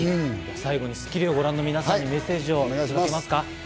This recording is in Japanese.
最後に『スッキリ』をご覧の皆さんにメッセージお願いできますか？